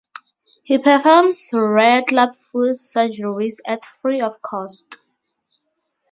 He performs rare clubfoot surgeries at free of cost.